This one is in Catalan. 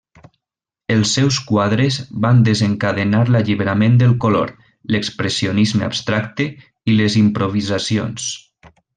Els seus quadres van desencadenar l'alliberament del color, l'expressionisme abstracte i les improvisacions.